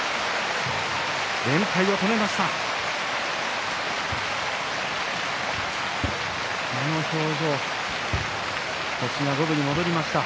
連敗を止めました。